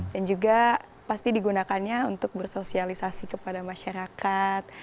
dan juga pasti digunakannya untuk bersosialisasi kepada masyarakat